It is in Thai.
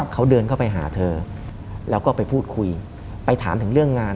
เขาเดินเข้าไปหาเธอแล้วก็ไปพูดคุยไปถามถึงเรื่องงาน